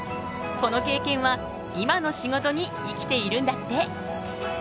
この経験は今の仕事に生きているんだって！